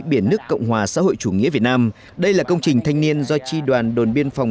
biển nước cộng hòa xã hội chủ nghĩa việt nam đây là công trình thanh niên do tri đoàn đồn biên phòng